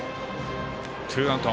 ツーアウト。